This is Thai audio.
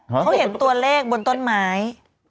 เขาเห็นตัวเลขบนต้นไม้